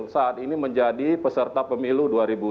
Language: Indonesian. saat ini menjadi peserta pemilu